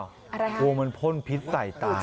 กลัวมันพ่นพิษใส่ตา